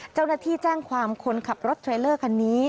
เจ้าหน้าที่แจ้งความคนขับรถไทยเลอร์คันนี้